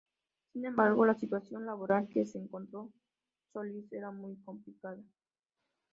Sin embargo, la situación laboral que se encontró Solís era muy complicada.